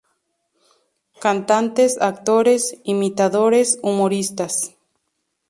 Cantantes, actores, imitadores, humoristas...